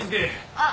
あっ！